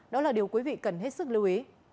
đó là điều quý vị cần hết sức lưu ý